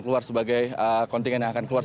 keluar sebagai kontingen yang akan keluar